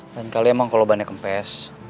dan kalau emang kalau ban nya kempes